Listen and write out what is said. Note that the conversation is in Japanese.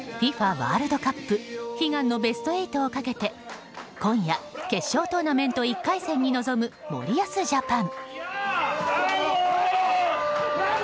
ワールドカップ悲願のベスト８をかけて今夜、決勝トーナメント１回戦に臨む森保ジャパン。